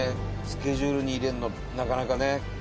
スケジュールに入れるのなかなかね。